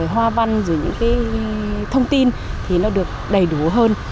hoa văn những thông tin thì nó được đầy đủ hơn